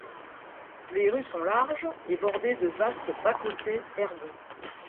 Les rues sont larges et bordées de vastes bas-côtés herbeux.